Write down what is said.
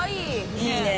いいね。